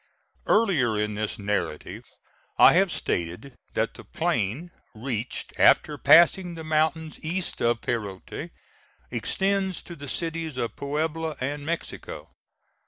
Earlier in this narrative I have stated that the plain, reached after passing the mountains east of Perote, extends to the cities of Puebla and Mexico.